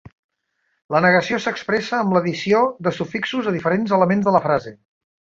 La negació s'expressa amb l'addició de sufixos a diferents elements de la frase.